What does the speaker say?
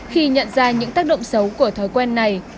khi nhận ra những tác động xấu của thói quen này